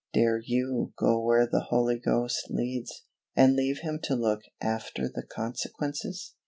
Dare you go where the Holy Ghost leads, and leave Him to look _after the consequences?